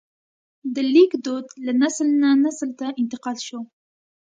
د لیک دود له نسل نه نسل ته انتقال شو.